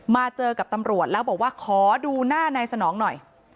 เจอกับตำรวจแล้วบอกว่าขอดูหน้านายสนองหน่อย